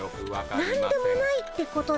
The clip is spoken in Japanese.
何でもないってことで。